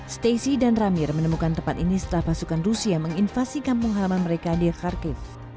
stacy dan ramir menemukan tempat ini setelah pasukan rusia menginvasi kampung halaman mereka di kharkiv